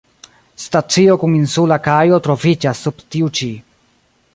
Stacio kun insula kajo troviĝas sub tiu ĉi.